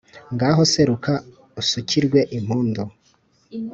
ngaho seruka usukirwe impundu